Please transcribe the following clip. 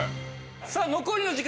さあ残りの時間